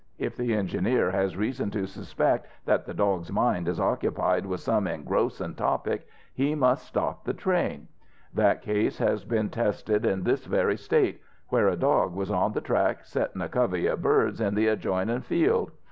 If the engineer has reason to suspect that the dog's mind is occupied with some engrossin' topic, he must stop the train. That case has been tested in this very state, where a dog was on the track settin' a covey of birds in the adjoinin' field.